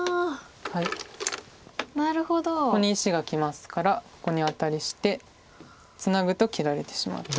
ここに石がきますからここにアタリしてツナぐと切られてしまってこれだと。